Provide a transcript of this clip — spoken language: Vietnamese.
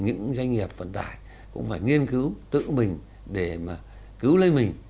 những doanh nghiệp vận tải cũng phải nghiên cứu tự mình để mà cứu lấy mình